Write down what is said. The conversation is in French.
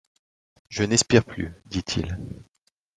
Je n'espère plus, dit-il.